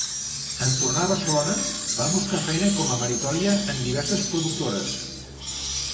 En tornar a Barcelona va buscar feina com a meritòria en diverses productores.